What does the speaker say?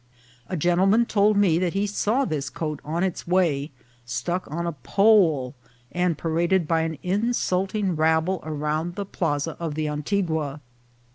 A gentleman told me that he saw this coat on its way, stuck on a pole, and paraded by an insulting rabble around the plaza of the Antigua.